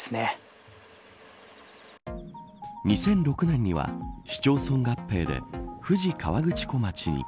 ２００６年には市町村合併で富士河口湖町に。